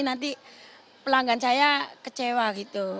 nanti pelanggan saya kecewa gitu